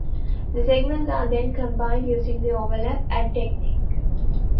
The segments are then combined using the overlap add technique.